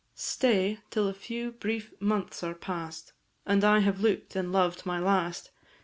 Stay till a few brief months are past And I have look'd and loved my last!